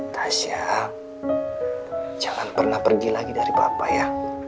tasya jangan pernah pergi lagi dari papa ya